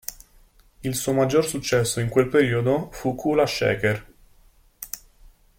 Il suo maggior successo, in quel periodo, fu Kula Shaker.